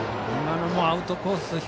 今のもアウトコース